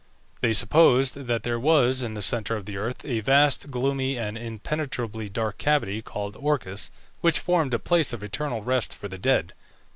They supposed that there was, in the centre of the earth, a vast, gloomy, and impenetrably dark cavity called Orcus, which formed a place of eternal rest for the dead.